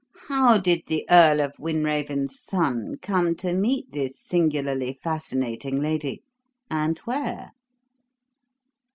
"How did the Earl of Wynraven's son come to meet this singularly fascinating lady, and where?"